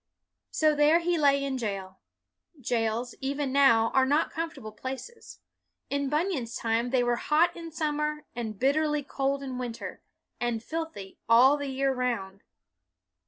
'' So there he lay in jail. Jails, even now, are not comfortable places. In Bunyan's time they were hot in summer and bitterly cold in winter, and filthy all the year round.